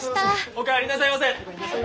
お帰りなさいませ！